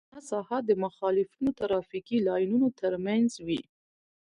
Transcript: شنه ساحه د مخالفو ترافیکي لاینونو ترمنځ وي